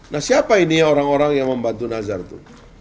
nah siapa ini orang orang yang membantu nazar tuh